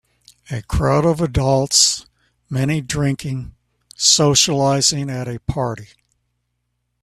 A crowd of adults, many drinking, socializing at a party